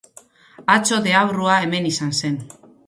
Atzo deabrua hemen izan zen.